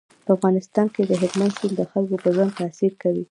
په افغانستان کې هلمند سیند د خلکو په ژوند تاثیر کوي.